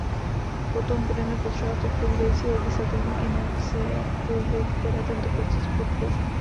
Potom budeme potřebovat odpovídající legislativní iniciativy, které tento proces podpoří.